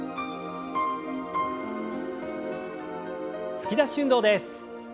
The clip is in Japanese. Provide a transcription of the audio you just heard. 突き出し運動です。